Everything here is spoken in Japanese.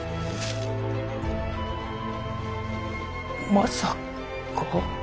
ままさか。